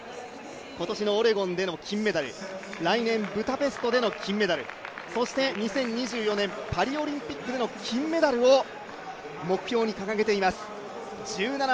今年のオレゴンでの金メダル、来年ブタペストでの金メダル、そして２０２４年、パリオリンピックでの金メダルを目標に掲げています。